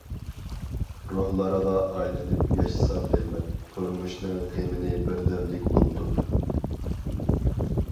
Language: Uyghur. روھلارغا ئايلىنىپ ياشىسام دەيمەن، تۇرمۇشنىڭ غېمىنى بىردەملىك ئۇنتۇپ.